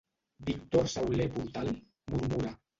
Víctor Sauler Portal? —murmura.